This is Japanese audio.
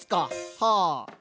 はあ。